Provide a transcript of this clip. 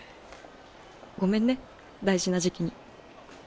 ごめんね大事な時期に。